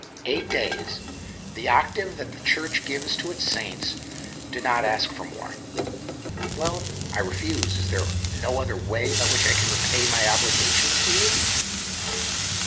Eight days — the octave that the Church gives to its saints — do not ask for more." " Well, if I refuse, is there no other way 112 THE OCTAVE OF CLAUDIUS. by which I can repay my obligations to you